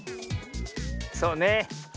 そうね。